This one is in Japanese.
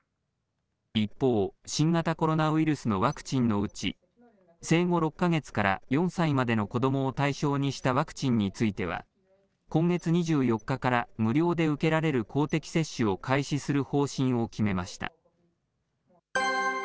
一方、新型コロナウイルスのワクチンのうち、生後６か月から４歳までの子どもを対象にしたワクチンについては、今月２４日から無料で受けられる公的接種を開始する方針を決めました。